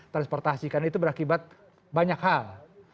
transportasi karena itu berakibat banyak hal